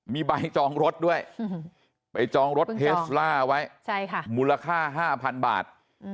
มีใบจองรถด้วยไปจองรถเทสล่าไว้มูลค่า๕๐๐๐บาท